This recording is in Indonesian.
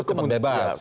itu kemudian bebas